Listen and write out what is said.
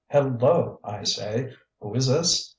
"Hel lo, I say!... Who is this?...